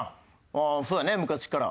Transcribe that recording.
ああそうやね昔から。